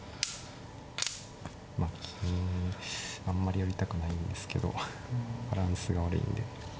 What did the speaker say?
まあ金あんまりやりたくないんですけどバランスが悪いんで。